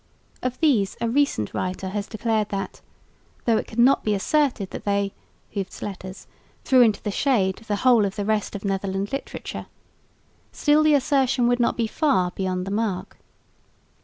Of these a recent writer has declared "that, though it could not be asserted that they [Hooft's letters] threw into the shade the whole of the rest of Netherland literature, still the assertion would not be far beyond the mark."